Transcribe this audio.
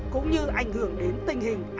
cũng như ảnh hưởng đến tình hình